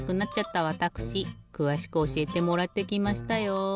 くわしくおしえてもらってきましたよ。